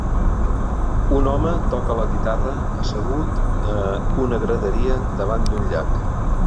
Un home toca la guitarra assegut a una graderia davant d'un llac.